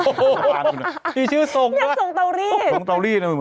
อีกหวานทรงเตารีดบ้าบอ